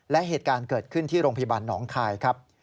และเหตุการณ์เกิดขึ้นที่โรงพยาบาลหนองคายครับ